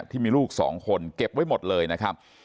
ที่มีลูก๒คนเก็บไว้หมดเลยนะครับ